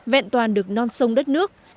vẹn toàn được non sông đất nước